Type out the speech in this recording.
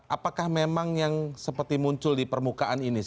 apakah memang yang seperti muncul di permukaan ini